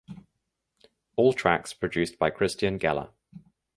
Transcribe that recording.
All tracks produced by Christian Geller.